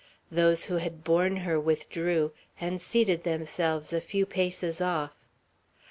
Those who had borne her withdrew, and seated themselves a few paces off.